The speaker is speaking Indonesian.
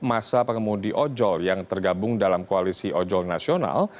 masa pengemudi ojol yang tergabung dalam koalisi ojol nasional